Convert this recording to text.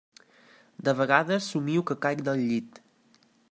De vegades somio que caic del llit.